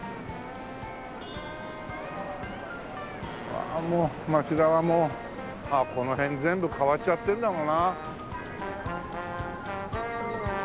わあもう町田はもうこの辺全部変わっちゃってるんだろうな。